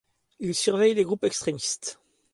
Il surveille les groupes extrémistes.